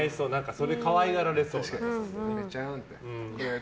それで可愛がられそう。